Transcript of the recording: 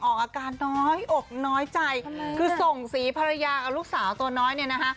ออกอาการน้อยอกน้อยใจคือส่งสีภรรยากับลูกสาวตัวน้อยเนี่ยนะคะ